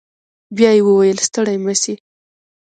بيا يې وويل ستړي مه سئ.